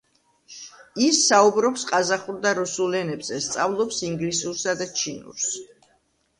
ის საუბრობს ყაზახურ და რუსულ ენებზე, სწავლობს ინგლისურსა და ჩინურს.